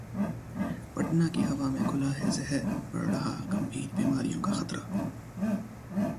पटना की हवा में घुला है जहर, बढ़ रहा गंभीर बीमारियों का खतरा